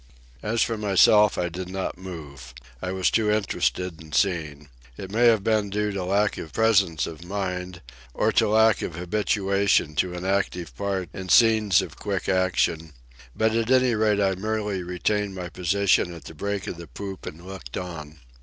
As for myself, I did not move. I was too interested in seeing. It may have been due to lack of presence of mind, or to lack of habituation to an active part in scenes of quick action; but at any rate I merely retained my position at the break of the poop and looked on.